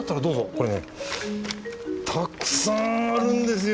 これねたくさんあるんですよ！